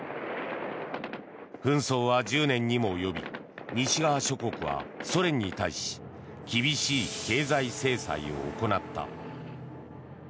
紛争は１０年にも及び西側諸国はソ連に対し厳しい経済制裁を行った。